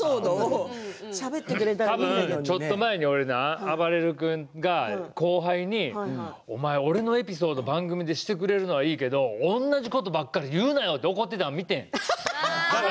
普通にちょっと前にあばれる君が後輩にお前、俺のエピソードを番組でしてくれるのいいけど同じことばっかり言うなよって言ってたのを覚えてんねん。